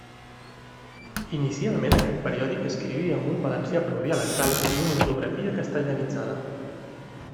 Inicialment aquest periòdic escrivia amb un valencià prou dialectal i una ortografia castellanitzada.